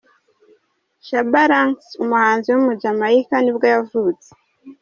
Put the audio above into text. Shabba Ranks, umuhanzi w’umunyajamayika nibwo yavutse.